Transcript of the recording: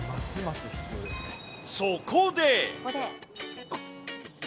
そこで。